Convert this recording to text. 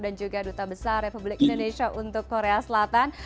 dan juga duta besar republik indonesia untuk korea selatan